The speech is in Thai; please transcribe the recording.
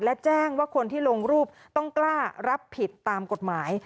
และแจ้งว่าคนที่ลงรูปต้องกล้ารับผิดตามกฎหมาย